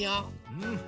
うん。